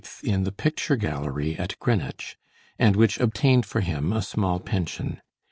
in the picture gallery at Greenwich, and which obtained for him a small pension.